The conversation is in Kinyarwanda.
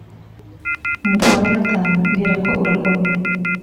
umutima wa yonatani uherako urakomera